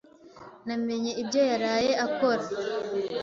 Namenye ibyo yaraye akora.